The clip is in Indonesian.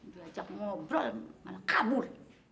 belajar ngobrol malah kabur